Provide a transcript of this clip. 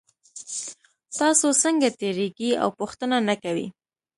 تاسو څنګه تیریږئ او پوښتنه نه کوئ